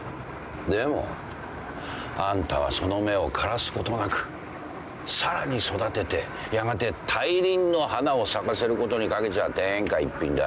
でもあんたはその芽を枯らすことなくさらに育ててやがて大輪の花を咲かせることにかけちゃ天下一品だ。